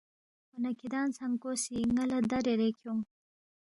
اون٘ا کِھدانگ ژھنکو سی ن٘ا لہ دا ریرے کھیونگ